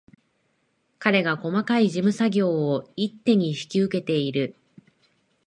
彼が細かい事務作業を一手に引き受けている